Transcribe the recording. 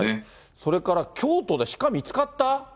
それから京都で鹿見つかった？